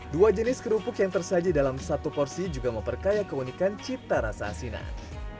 dua jenis kerupuk yang tersaji dalam satu porsi juga memperkaya keunikan cita rasa asinan